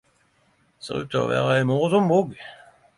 Ser ut til å vere ei morosam bok.